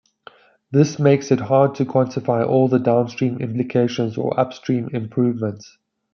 This makes it hard to quantify all the downstream implications or upstream improvements.